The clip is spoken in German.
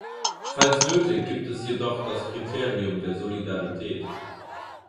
Falls nötig, gibt es jedoch das Kriterium der Solidarität.